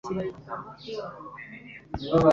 Umutimanama mwiza ni umusego woroshye.